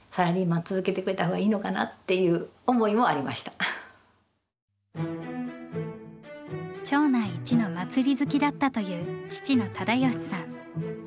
今じゃなくって町内一の祭り好きだったという父の忠喜さん。